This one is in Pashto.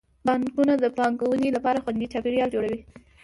بانکونه د پانګونې لپاره خوندي چاپیریال جوړوي.